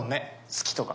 好きとか。